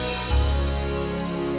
udah baik baik kan ya